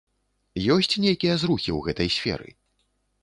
Ёсць нейкія зрухі ў гэтай сферы?